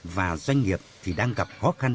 và doanh nghiệp thì đang gặp khó khăn